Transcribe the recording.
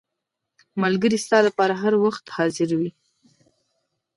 • ملګری ستا لپاره هر وخت حاضر وي.